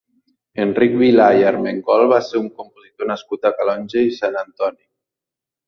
Enric Vilà i Armengol va ser un compositor nascut a Calonge i Sant Antoni.